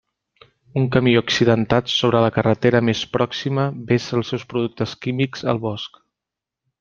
Un camió accidentat sobre la carretera més pròxima vessa els seus productes químics al bosc.